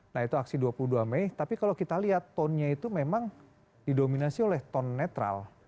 nah itu aksi dua puluh dua mei tapi kalau kita lihat tonenya itu memang didominasi oleh ton netral